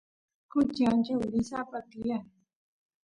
kuchi ancha wirasapa tiyan